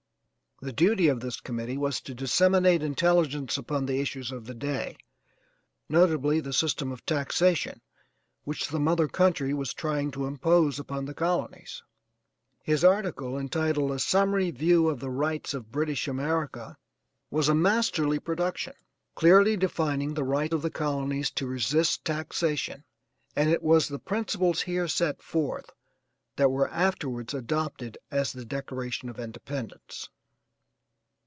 The duty of this committee was to disseminate intelligence upon the issues of the day, notably the system of taxation which the mother country was trying to impose upon the colonies. His article entitled: "A Summary View of the Rights of British America," was a masterly production, clearly defining the right of the colonies to resist taxation, and it was the principles here set forth that were afterwards adopted as the Declaration of Independence.